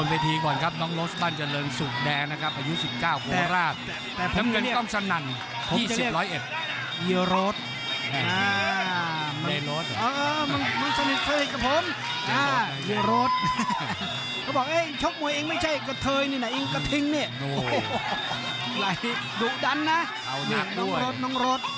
นี่โอ้โหไหลดุดันนะเอาหนักด้วยน้องรถน้องรถ